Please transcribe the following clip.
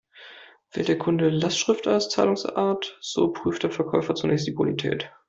Wählt der Kunde Lastschrift als Zahlungsart, so prüft der Verkäufer zunächst die Bonität.